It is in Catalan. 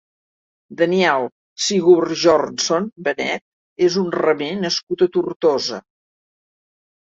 Daniel Sigurbjörnsson Benet és un remer nascut a Tortosa.